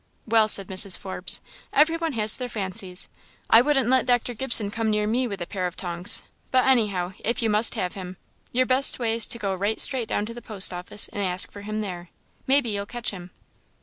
"Well," said Mrs. Forbes, "every one has their fancies; I wouldn't let Dr. Gibson come near me with a pair of tongs; but anyhow, if you must have him, your best way is to go right straight down to the post office, and ask for him there, maybe you'll catch him."